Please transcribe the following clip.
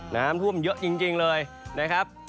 น้ำท่วมเยอะจริงเลยนะครับ